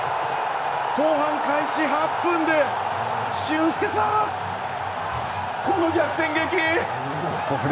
後半開始８分で俊輔さんこの逆転劇。